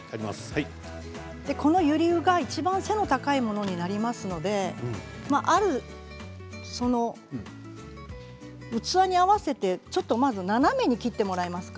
このユリがいちばん背の高いものになりますので器に合わせてまずちょっと斜めに切っていただけますか？